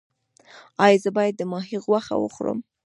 ایا زه باید د ماهي غوښه وخورم؟